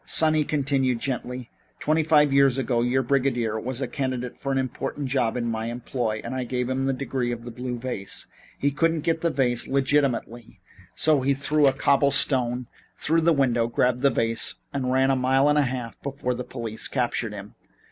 "Son," he continued gently, "twenty five years ago your brigadier was a candidate for an important job in my employ and I gave him the Degree of the Blue Vase. He couldn't get the vase legitimately, so he threw a cobble stone through the window, grabbed the vase and ran a mile and a half before the police captured him.